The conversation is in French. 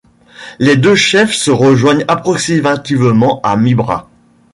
Les deux chefs se rejoignent approximativement à mi-bras.